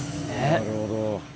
なるほど。